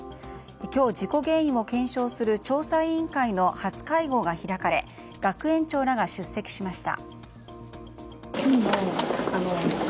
今日、事故原因を検証する調査委員会の初会合が開かれ学園長らが出席しました。